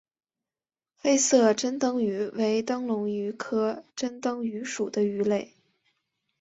黑色珍灯鱼为灯笼鱼科珍灯鱼属的鱼类。